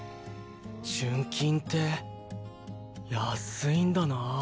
純金って安いんだなぁ。